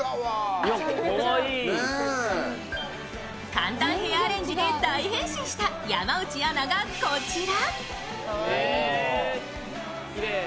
簡単ヘアアレンジで大変身した山内アナがこちら。